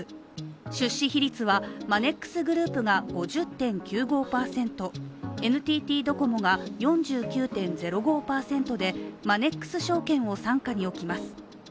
出資比率はマネックスグループが５０．９５％、ＮＴＴドコモが４９．０５％で、マネックス証券を傘下に置きます。